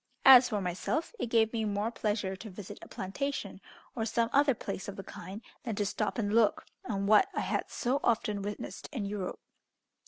As for myself, it gave me more pleasure to visit a plantation, or some other place of the kind, than to stop and look on what I had so often witnessed in Europe.